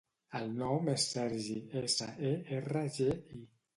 El nom és Sergi: essa, e, erra, ge, i.